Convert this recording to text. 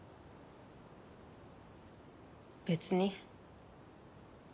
別に。